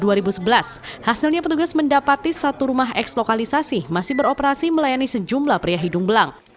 di contoh dua ribu sebelas hasilnya petugas mendapati satu rumah ex lokalisasi masih beroperasi melayani sejumlah pria hidung belang